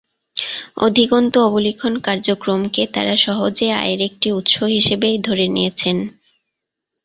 অধিকন্তু অবলিখন কার্যক্রমে তারা সহজে আয়ের একটি উৎস হিসেবেই ধরে নিয়েছে।